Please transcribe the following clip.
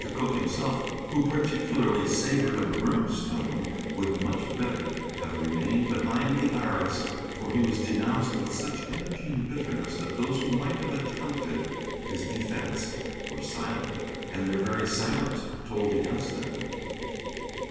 Cooke himself, who particularly savored of brimstone, would much better have remained behind the arras, for he was denounced with such energy and bitterness that those who might have attempted his defence were silent, and their very silence told against them.